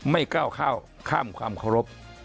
ไม่ก้าวข้าวข้ามความเคารพ